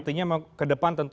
artinya ke depan tentu